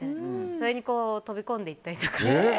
それに飛び込んでいったりとか。